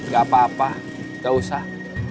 gak apa apa nggak usah